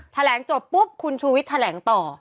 แถลงจบปุ๊บคุณชูวิทย์แถลงต่อ